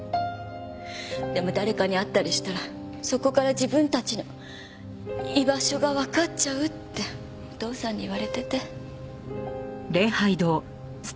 でも誰かに会ったりしたらそこから自分たちの居場所がわかっちゃうってお父さんに言われてて。